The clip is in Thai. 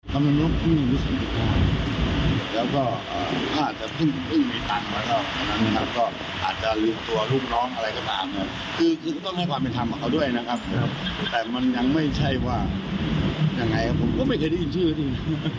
ก็ไม่ใช่ว่ายังไงกับผมก็ไม่เคยได้ยินชื่ออีก